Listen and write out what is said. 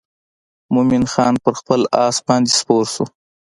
مومن خان پر خپل آس باندې سپور شو.